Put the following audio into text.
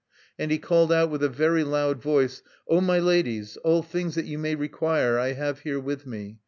And he called out with a very loud voice: "O my ladies, all things that you may require I have here with me!